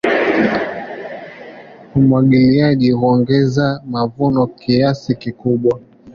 Umwagiliaji huongeza mavuno kiasi kikubwa.